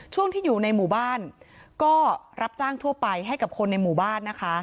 ช่วงที่อยู่ในหมู่บ้านก็รับจ้างทั่วไปให้กับคนในหมู่บ้านนะคะ